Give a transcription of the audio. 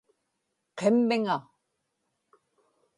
qimmiŋa